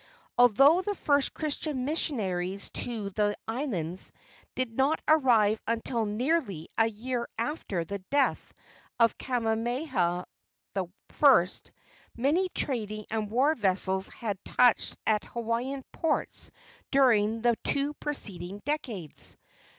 Although the first Christian missionaries to the islands did not arrive until nearly a year after the death of Kamehameha I., many trading and war vessels had touched at Hawaiian ports during the two preceding decades.